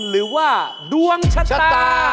หรือว่าดวงชะตา